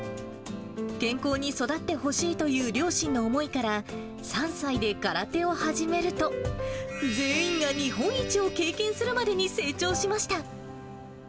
健康に育ってほしいという両親の思いから、３歳で空手を始めると、全員が日本一を経験するまでに成長しました。